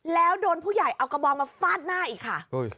แล้วโดนผู้ใหญ่เอากระบองมาฟาดหน้าอีกค่ะ